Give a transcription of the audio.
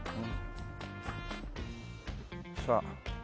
さあ。